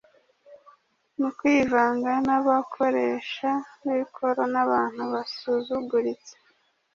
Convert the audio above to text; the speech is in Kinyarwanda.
Mu kwivanga n'abakoresha b'ikoro n'abantu basuzuguritse,